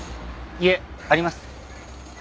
いえあります。